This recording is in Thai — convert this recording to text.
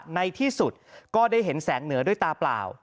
ในที่สุดก็ได้เห็นแสงเหนือด้วยตาเปล่า